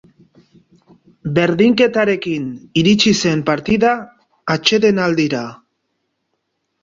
Berdinketarekin iritsi zen partida atsedenaldira.